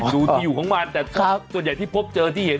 ดูที่อยู่ของมันแต่ส่วนใหญ่ที่พบเจอที่เห็น